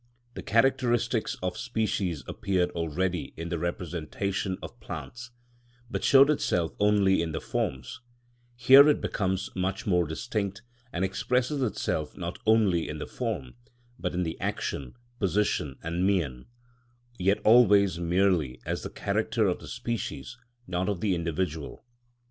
The characteristics of species appeared already in the representation of plants, but showed itself only in the forms; here it becomes much more distinct, and expresses itself not only in the form, but in the action, position, and mien, yet always merely as the character of the species, not of the individual.